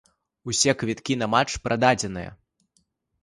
Усе квіткі на матч прададзеныя.